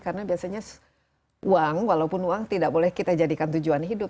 karena biasanya uang walaupun uang tidak boleh kita jadikan tujuan hidup